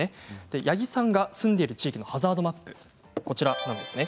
八木さんが住んでいる地域のハザードマップ、こちらです。